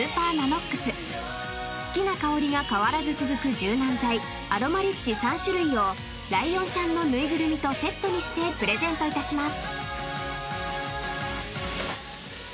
柔軟剤アロマリッチ３種類をライオンちゃんの縫いぐるみとセットにしてプレゼントいたします］